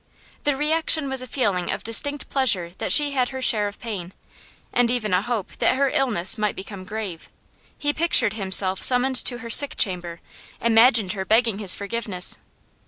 The reaction was a feeling of distinct pleasure that she had her share of pain, and even a hope that her illness might become grave; he pictured himself summoned to her sick chamber, imagined her begging his forgiveness.